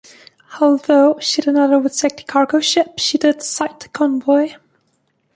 Although she did not overtake the cargo ship, she did sight a convoy.